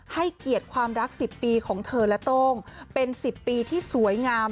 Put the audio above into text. ให้เกียรติความรัก๑๐ปีของเธอและโต้งเป็น๑๐ปีที่สวยงาม